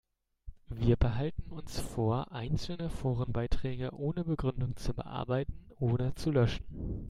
Wir behalten uns vor, einzelne Forenbeiträge ohne Begründung zu bearbeiten oder zu löschen.